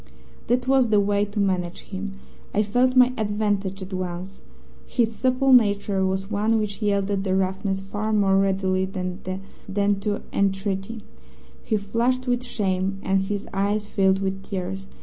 "That was the way to manage him. I felt my advantage at once. His supple nature was one which yielded to roughness far more readily than to entreaty. He flushed with shame, and his eyes filled with tears.